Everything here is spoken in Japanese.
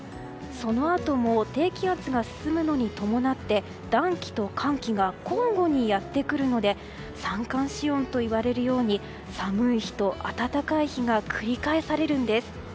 そのあとも低気圧が進むのに伴って暖気と寒気が交互にやってくるので三寒四温といわれるように寒い日と暖かい日が繰り返されるんです。